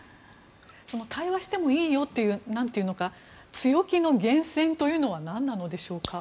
対話してもいいよというその強気の源泉というのは何でしょうか。